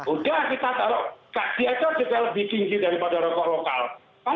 udah kita taruh di ekor juga lebih tinggi daripada rokok lokal